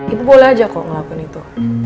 ibu boleh aja kok ngelakuin itu